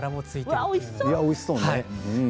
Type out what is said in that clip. おいしそう。